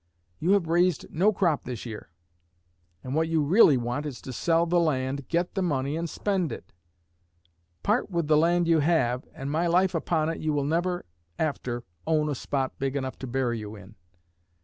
You have raised no crop this year; and what you really want is to sell the land, get the money and spend it. Part with the land you have, and, my life upon it, you will never after own a spot big enough to bury you in.